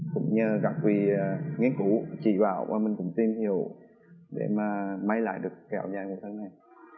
cũng như các quy nghiên cứu chỉ vào và mình cũng tìm hiểu để mà máy lại được cái áo dài ngủ thân này